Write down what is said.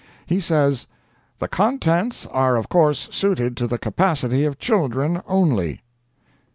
He says, "The contents are of course suited to the capacity of children only."